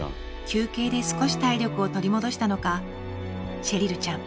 休憩で少し体力を取り戻したのかシェリルちゃん